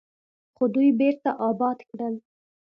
خو دوی بیرته اباد کړل.